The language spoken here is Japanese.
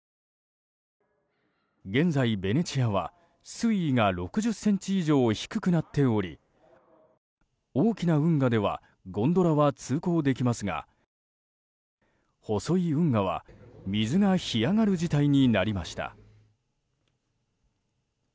現在、ベネチアは水位が６０ｃｍ以上低くなっており大きな運河ではゴンドラは通行できますが細い運河は水が干上がる事態になりました。